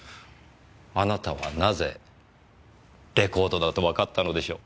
あなたはなぜレコードだとわかったのでしょう？